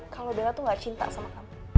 kalau bella tuh gak cinta sama kamu